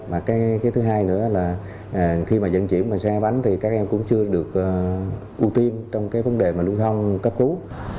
mà cái thứ hai nữa là khi mà dẫn chuyển bằng xe hai bánh thì các em cũng chưa được ưu tiên trong cái vấn đề mà lưu thông cấp cứu